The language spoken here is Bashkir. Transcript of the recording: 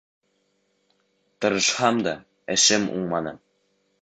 Тырышһам да, эшем уңманы.